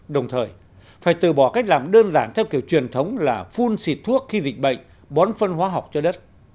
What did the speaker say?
đồng thời phải từ bỏ cách làm đơn giản theo kiểu truyền thống là phun xịt thuốc khi dịch bệnh bón phân hóa học cho đất